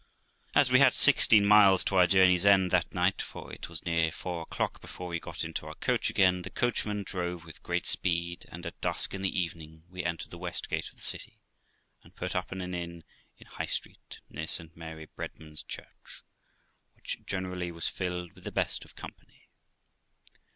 As we had sixteen miles to our journey's end that night, for it was near four o'clock before we got into our coach again, the coachman drove with great speed, and at dusk in the evening we entered the west gate of the city, and put up at an inn in High Street (near St Mary Bredman's church ), which generally was filled with the best of company.